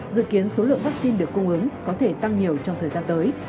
dự kiến số lượng vaccine được cung ứng có thể tăng nhiều trong thời gian tới